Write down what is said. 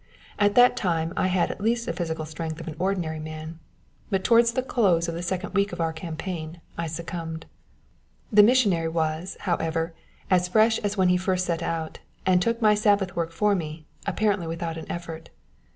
At that time I had at least the physical strength of an ordinary man; but towards the close of the second week of our campaign I succumbed. The missionary was, however, as fresh as when he first set out, and took my Sabbath work for me, apparently without an effort.